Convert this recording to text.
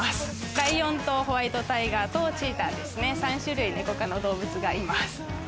ライオンとホワイトタイガーとチーターですね、３種類ネコ科の動物がいます。